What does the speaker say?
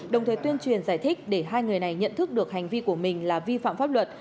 đồng thời tuyên truyền giải thích để hai người này nhận thức được hành vi của mình là vi phạm pháp luật